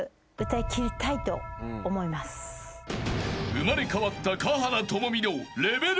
［生まれ変わった華原朋美の］